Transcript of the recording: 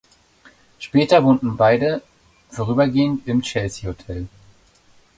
Später wohnen beide vorübergehend im Chelsea Hotel.